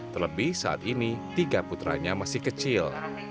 terlebih saat ini tiga putranya masih kecil